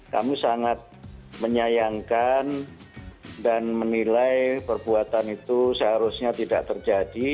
kami sangat menyayangkan dan menilai perbuatan itu seharusnya tidak terjadi